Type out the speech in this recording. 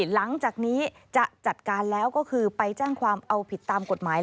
หลังจากนี้จะจัดการแล้วก็คือไปแจ้งความเอาผิดตามกฎหมาย